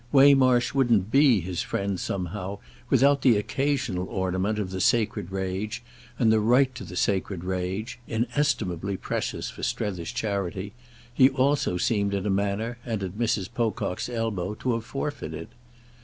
Waymarsh wouldn't be his friend, somehow, without the occasional ornament of the sacred rage, and the right to the sacred rage—inestimably precious for Strether's charity—he also seemed in a manner, and at Mrs. Pocock's elbow, to have forfeited.